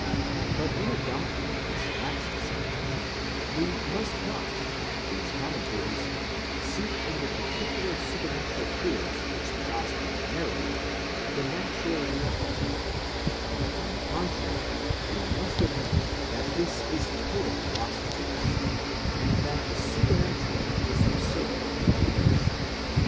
But in adopting this last supposition, we must not, with these commentators, seek in the particular supernatural cures which the gospels narrate, the natural reality ; on the contrary, we must admit that this is totally lost to us, and that the supernatural has usurped its place.